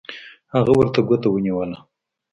هغه ورته ګوته ونیوله